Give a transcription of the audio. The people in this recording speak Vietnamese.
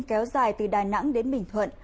kéo dài từ đà nẵng đến bình thuận